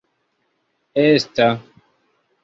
esta